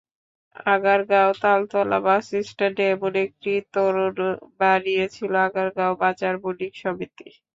আগারগাঁও তালতলা বাসস্ট্যান্ডে এমন একটি তোরণ বানিয়েছিল আগারগাঁও বাজার বণিক সমিতি।